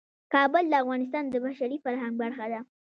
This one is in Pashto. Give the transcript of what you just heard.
کابل د افغانستان د بشري فرهنګ برخه ده.